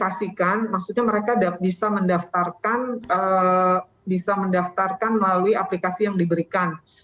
jadi kalau vaksinnya dipublikasikan maksudnya mereka bisa mendaftarkan melalui aplikasi yang diberikan